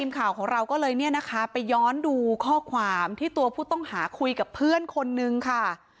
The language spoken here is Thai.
ข่าวของเราก็เลยเนี่ยนะคะไปย้อนดูข้อความที่ตัวผู้ต้องหาคุยกับเพื่อนคนนึงค่ะ